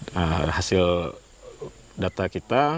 nah hasil data kita